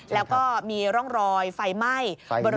แล้วก็มีร่องรอยไฟไหม้